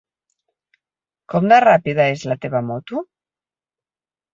Com de ràpida és la teva moto?